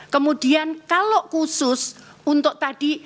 kemudian kalau khusus untuk tadi